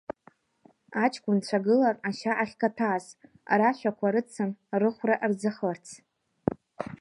Аҷкәынцәа гылан ашьа ахькаҭәаз рашәақәа рыцын рыхәра рӡахырц.